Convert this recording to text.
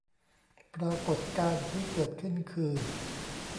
ปรากฎการณ์ที่เกิดขึ้นคือ